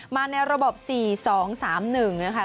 ในระบบ๔๒๓๑นะคะ